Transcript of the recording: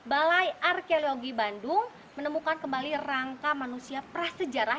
balai arkeologi bandung menemukan kembali rangka manusia prasejarah